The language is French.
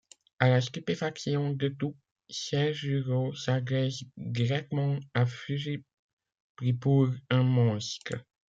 À la stupéfaction de tous, Seijûrô s'adresse directement à Fuji, pris pour un monstre.